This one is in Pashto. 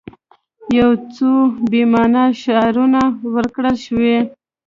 یو څو بې معنا شعارونه ورکړل شوي.